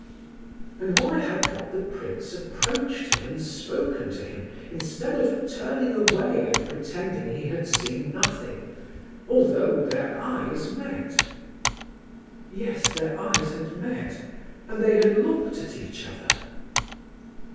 And why had not the prince approached him and spoken to him, instead of turning away and pretending he had seen nothing, although their eyes met? (Yes, their eyes had met, and they had looked at each other.)